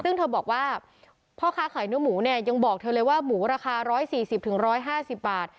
ซึ่งเธอบอกว่าพ่อค้าขายเนื้อหมูเนี่ยยังบอกเธอเลยว่าหมูราคา๑๔๐๑๕๐บาท